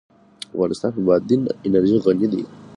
افغانستان په بادي انرژي غني دی.